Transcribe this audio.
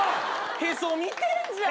へそ見てんじゃん！